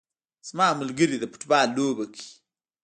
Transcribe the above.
زما ملګري د فوټبال لوبه کوي